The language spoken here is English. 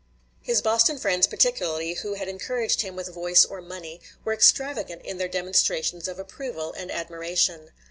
His Boston friends particularly, who had encouraged him with voice or money, were extravagant in their demonstrations of approval and admiration.